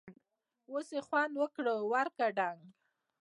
اوس یې خوند وکړ٬ ورکه ډنګ!